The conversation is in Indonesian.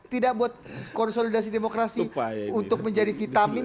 tidak buat konsolidasi demokrasi untuk menjadi vitamin